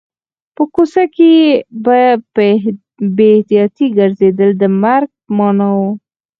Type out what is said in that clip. په کوڅه کې په بې احتیاطۍ ګرځېدل د مرګ په معنا و